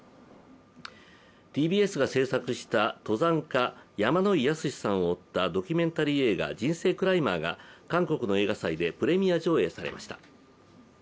ＴＢＳが制作した登山家・山野井泰史さんを追ったドキュメンタリー映画「人生クライマー」が韓国の映画祭でプレミア上映されました。